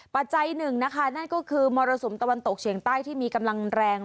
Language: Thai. ปัจจัยหนึ่งนะคะนั่นก็คือมรสุมตะวันตกเฉียงใต้ที่มีกำลังแรง